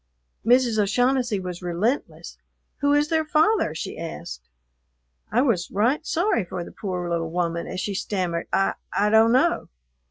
Mrs. O'Shaughnessy was relentless. "Who is their father?" she asked. I was right sorry for the poor little woman as she stammered, "I I don't know."